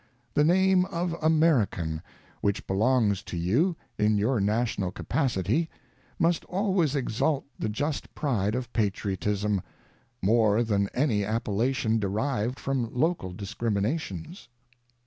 ŌĆö The name of American, which belongs to you, in your national capacity, must always exalt the just pride of Patriotism, more than any appellation derived from local discrimi nations.